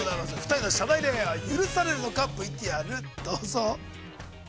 ２人の社内恋愛は許されるのか、ＶＴＲ、どうぞ。